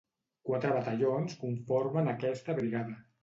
Quatre batallons conformen aquesta brigada.